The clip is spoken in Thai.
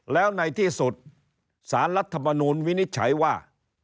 แล้วในที่สุดสารรัฐมนูลวินิจฉัยว่า